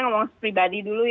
ini saya ngomong pribadi dulu ya